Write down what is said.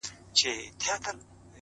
د کاغذ تاو شوی کونج د بېحوصلېتوب نښه وي